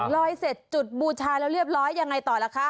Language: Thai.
เสร็จจุดบูชาแล้วเรียบร้อยยังไงต่อล่ะคะ